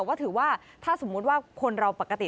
ก็ถือว่าถ้าสมมุติว่าคนเราปกติ